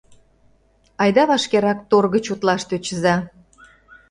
Айда вашкерак тор гыч утлаш тӧчыза.